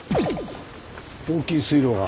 大きい水路が。